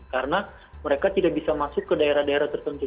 karena mereka tidak bisa masuk ke daerah daerah tertentu